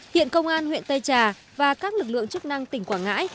hiện công an huyện tây trà và các lực lượng chức năng tỉnh quảng ngãi